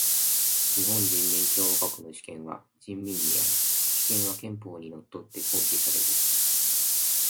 日本人民共和国の主権は人民にある。主権は憲法に則って行使される。